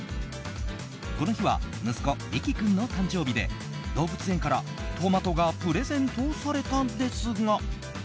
この日は息子リキ君の誕生日で動物園からトマトがプレゼントされたんですが。